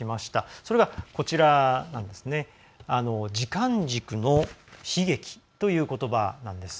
それが、時間軸の悲劇ということばなんです。